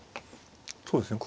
そうですね。